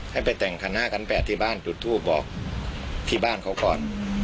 ให้ไปแต่งคันหน้าคัน๘ที่บ้านจุดทูปบอกที่บ้านเขาก่อน